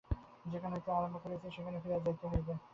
যেখান হইতে আরম্ভ করিয়াছিলেন, সেখানেই ফিরিয়া যাইতে হইবে।